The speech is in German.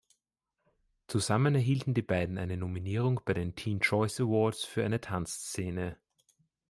Zusammen erhielten die beiden eine Nominierung bei den Teen Choice Awards für eine Tanzszene.